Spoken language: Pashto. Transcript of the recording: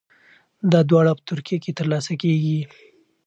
دا دواړه په ترکیه کې ترلاسه کیږي.